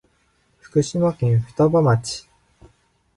福島県双葉町